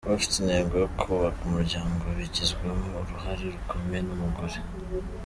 Ufite intego yo kubaka umuryango bigizwemo uruhare rukomeye n’umugore.